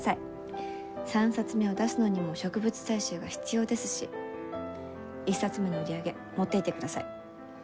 ３冊目を出すのにも植物採集が必要ですし１冊目の売り上げ持っていってください。